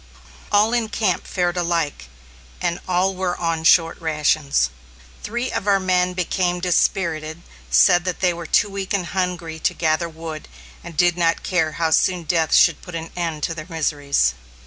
All in camp fared alike, and all were on short rations. Three of our men became dispirited, said that they were too weak and hungry to gather wood, and did not care how soon death should put an end to their miseries.